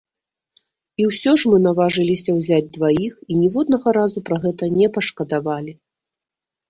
І ўсё ж мы наважыліся ўзяць дваіх і ніводнага разу пра гэта не пашкадавалі.